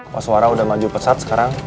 wah suara udah maju pesat sekarang